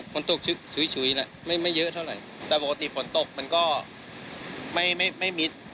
เกือบสิบปีก็ไม่เคยเห็นแบบนี้